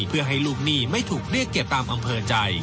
เพื่อให้ลูกหนี้ไม่ถูกเรียกเก็บตามอำเภอใจ